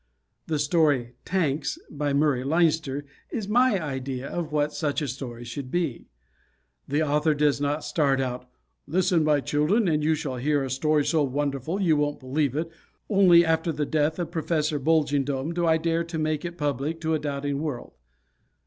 The story "Tanks," by Murray Leinster, is my idea of what such a story should be. The author does not start out, "Listen, my children, and you shall hear a story so wonderful you won't believe it. Only after the death of Professor Bulging Dome do I dare to make it public to a doubting world."